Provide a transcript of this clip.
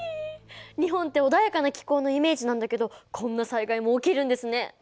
日本って穏やかな気候のイメージなんだけどこんな災害も起きるんですね。